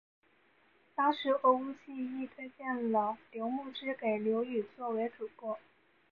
当时何无忌亦推荐了刘穆之给刘裕作为主簿。